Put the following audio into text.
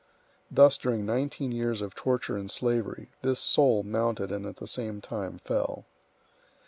Thus during nineteen years of torture and slavery, this soul mounted and at the same time fell.